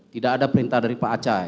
tidak ada perintah dari pak aca